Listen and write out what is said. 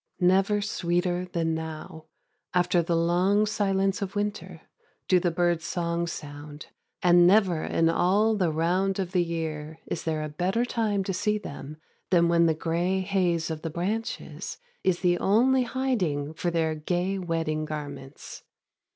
Never sweeter than now, after the long silence of winter, do the birds' songs sound, and never in all the round of the year is there a better time to see them than when the gray haze of the branches is the only hiding for their gay wedding garments.